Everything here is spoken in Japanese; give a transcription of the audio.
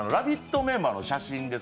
メンバーの写真です。